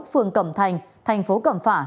phường cẩm thành thành phố cẩm phả